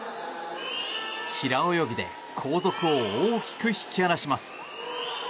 平泳ぎで後続を大きく引き離します。